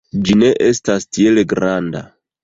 Ĝi ne estas tiel granda.